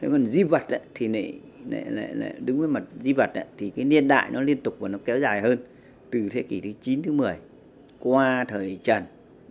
còn di vật thì lại đứng với mặt di vật thì cái niên đại nó liên tục và nó kéo dài hơn từ thế kỷ thứ chín thứ một mươi qua thời trần